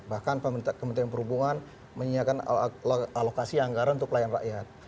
bahkan kementerian perhubungan menyediakan alokasi anggaran untuk pelayan rakyat